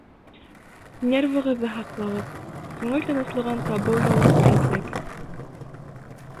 Нервығыҙҙы һаҡлағыҙ, күңел тыныслығын табыу юлын эҙләгеҙ.